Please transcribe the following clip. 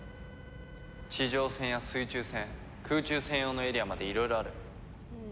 地上戦や水中戦空中戦用のエリアまでいろいろある。